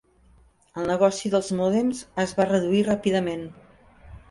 El negoci dels mòdems es va reduir ràpidament.